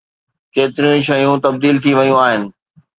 ڪيتريون ئي شيون تبديل ٿي ويون آهن.